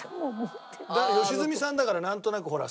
良純さんだからなんとなくほら。